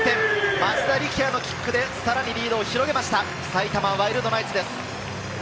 松田力也のキックでさらにリードを広げました、埼玉ワイルドナイツです。